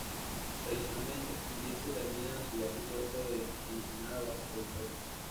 Tradicionalmente comienza y termina en la ciudad y puerto de Ensenada Baja California.